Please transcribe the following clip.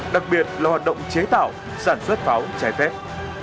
đặc biệt là hoạt động chế tạo sản xuất pháo trái phép